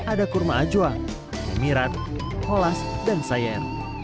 ada kurma ajwa emirat holas dan sayer